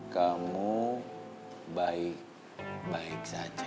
kamu baik baik saja